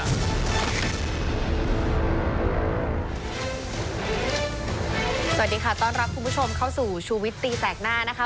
สวัสดีค่ะต้อนรับคุณผู้ชมเข้าสู่ชูวิตตีแสกหน้านะคะ